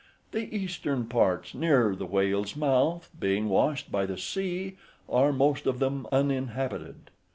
The eastern parts, near the whale's mouth, being washed by the sea, are most of them uninhabited.